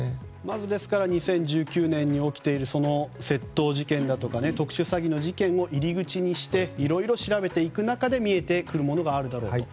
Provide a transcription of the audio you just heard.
ですからまず２０１９年に起きている窃盗事件だとか特殊詐欺の事件を入り口にしていろいろ調べていくなかで見えてくるものがあるだろうと。